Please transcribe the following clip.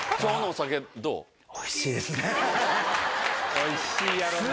おいしいやろな。